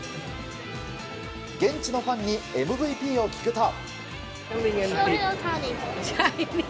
現地のファンにＭＶＰを聞くと。